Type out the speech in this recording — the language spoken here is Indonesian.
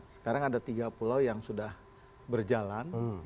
sekarang ada tiga pulau yang sudah berjalan